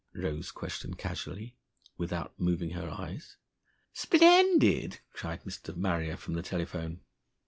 Rose questioned casually, without moving her eyes. "Splendid!" cried Mr. Marrier from the telephone.